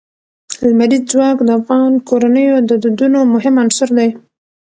لمریز ځواک د افغان کورنیو د دودونو مهم عنصر دی.